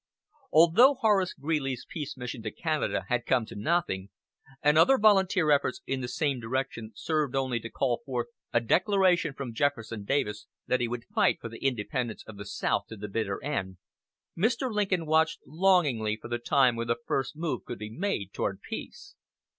Although Horace Greeley's peace mission to Canada had come to nothing, and other volunteer efforts in the same direction served only to call forth a declaration from Jefferson Davis that he would fight for the independence of the South to the bitter end, Mr. Lincoln watched longingly for the time when the first move could be made toward peace.